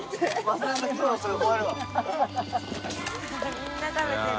みんな食べてる。